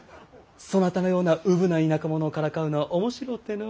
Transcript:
そなたのようなウブな田舎者をからかうのは面白うてのう。